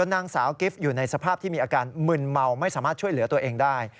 นางสาวกิฟต์อยู่ในสภาพที่มีอาการมึนเมาไม่สามารถช่วยเหลือตัวเองได้